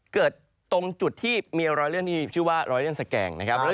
เกิดตรงจุดที่มีรอยเลื่อนที่ชื่อว่ารอยเลื่อนสแกงนะครับ